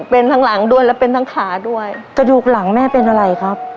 เป็นทั้งหลังด้วยและเป็นทั้งขาด้วยกระดูกหลังแม่เป็นอะไรครับ